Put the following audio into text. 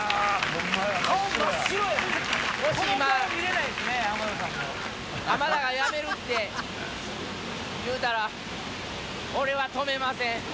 もし今浜田がやめるって言うたら俺は止めません。